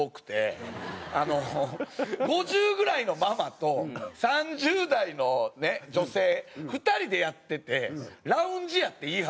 ５０ぐらいのママと３０代の女性２人でやっててラウンジやって言い張るんですよ。